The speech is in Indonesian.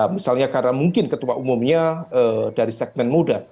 misalnya karena mungkin ketua umumnya dari segmen muda